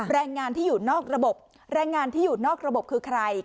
แรงงานที่อยู่นอกระบบแรงงานที่อยู่นอกระบบคือใคร